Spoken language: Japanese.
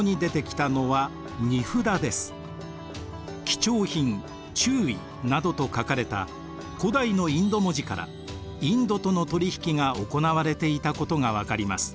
「貴重品」「注意」などと書かれた古代のインド文字からインドとの取り引きが行われていたことが分かります。